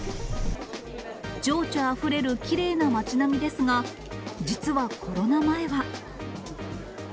情緒あふれるきれいな町並みですが、実はコロナ前は。